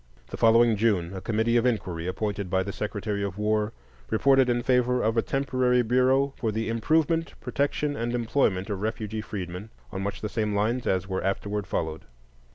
The following June a committee of inquiry, appointed by the Secretary of War, reported in favor of a temporary bureau for the "improvement, protection, and employment of refugee freedmen," on much the same lines as were afterwards followed.